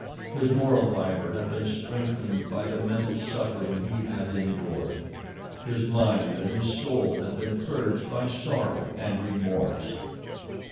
His moral fiber had been strengthened by the mental suffering he had endured. His mind and his soul had been purged by sorrow and remorse.